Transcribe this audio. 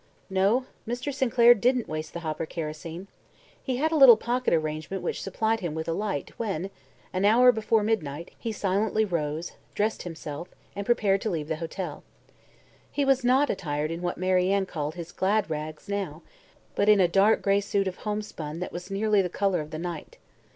No, Mr. Sinclair didn't waste the Hopper kerosene. He had a little pocket arrangement which supplied him with light when, an hour before midnight, he silently rose, dressed himself and prepared to leave the hotel. He was not attired in what Mary Ann called his "glad rags" now, but in a dark gray suit of homespun that was nearly the color of the night.